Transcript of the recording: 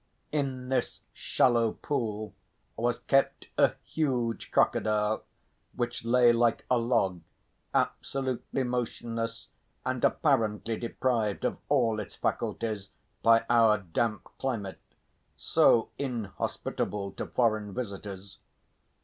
In this shallow pool was kept a huge crocodile, which lay like a log absolutely motionless and apparently deprived of all its faculties by our damp climate, so inhospitable to foreign visitors.